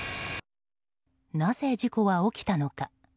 なぜ、事故は起きたのか。